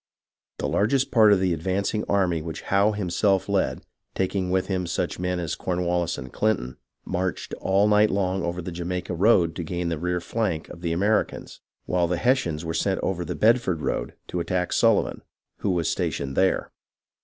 The largest part of the advancing army which Howe himself led, taking with him such men as Cornwallis and Clinton, marched all night long over the Jamaica road to gain the rear or flank of the Americans, while the Hessians were sent over the Bedford road to attack Sullivan, who was stationed there.